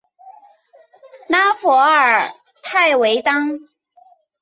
拉弗尔泰维当。